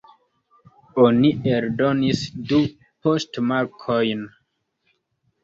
Oni eldonis du poŝtmarkojn.